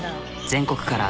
全国から。